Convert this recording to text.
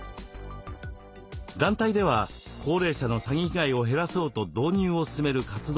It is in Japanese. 団体では高齢者の詐欺被害を減らそうと導入をすすめる活動を行っています。